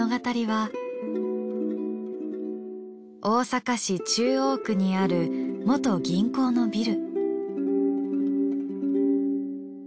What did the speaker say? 大阪市中央区にある元銀行のビル。